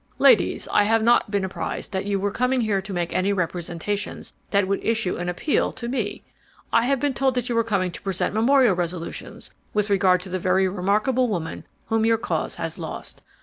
"Ladies, I had not been apprised that you were coming here to make any representations that would issue an appeal to me. I had been told that you were coming to present memorial resolutions with regard to the very remarkable woman whom your cause has lost.